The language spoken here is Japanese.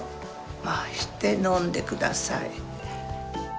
回して飲んでください。